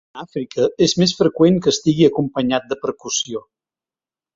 A Àfrica és més freqüent que estigui acompanyat de percussió.